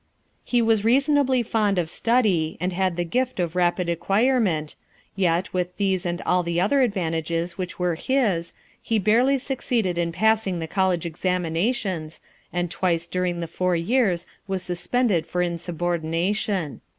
He was reasonably fond of study, and had the gift 22 FOUE MOTHERS AT CHAUTAUQUA of rapid acquirement, yet, with these and all the other advantages which were his, he barely succeeded in passing the college examinations, and twice during the four years was suspended for insubordination.